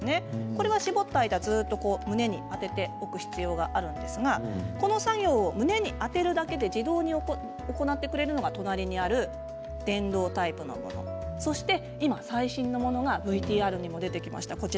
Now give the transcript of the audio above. これは搾っている間ずっと胸に当てておく必要があるんですがこの作業を胸に当てるだけで自動で行ってくれるのが隣にある電動タイプのものそして今、最新のものがＶＴＲにも出てきました